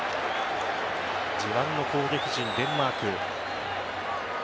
自慢の攻撃陣、デンマーク。